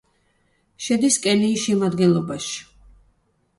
შედის კენიის შემადგენლობაში.